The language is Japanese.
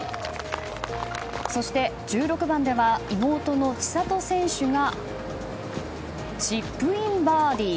そして１６番では妹の千怜選手がチップインバーディー。